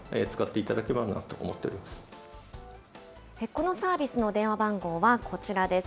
このサービスの電話番号はこちらです。